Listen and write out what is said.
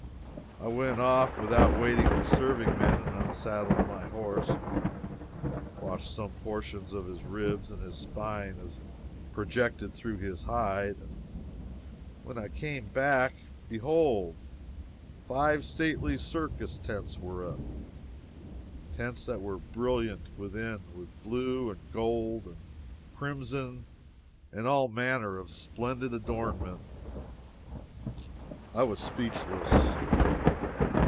I went off, without waiting for serving men, and unsaddled my horse, and washed such portions of his ribs and his spine as projected through his hide, and when I came back, behold five stately circus tents were up tents that were brilliant, within, with blue, and gold, and crimson, and all manner of splendid adornment! I was speechless.